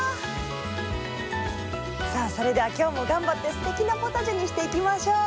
さあそれでは今日も頑張ってすてきなポタジェにしていきましょう。